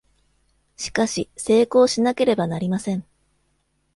しかし、成功しなければなりません!